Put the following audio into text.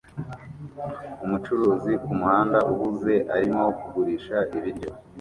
Umucuruzi kumuhanda uhuze arimo kugurisha ibiryo